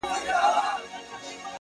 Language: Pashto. د سلگيو ږغ يې ماته را رسيږي!